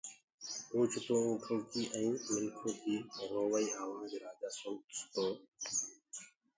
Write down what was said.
اوچتو اُنٚٺو ڪيٚ ائيٚنٚ مِنکو ڪيٚ رُووآئيٚ آواج رآجآ سُڻس تو